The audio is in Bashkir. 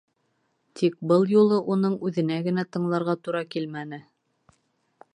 Тик был юлы уның үҙенә генә тыңларға тура килмәне.